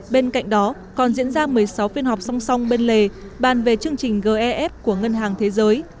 bên cạnh đó còn diễn ra một mươi sáu phiên họp song song bên lề bàn về chương trình gef của ngân hàng thế giới